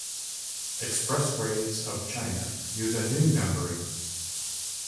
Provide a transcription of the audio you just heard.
Expressways of China use a new numbering.